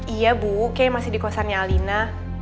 iya bu kayak masih di kosannya alina